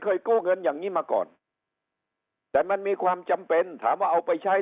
กู้เงินอย่างนี้มาก่อนแต่มันมีความจำเป็นถามว่าเอาไปใช้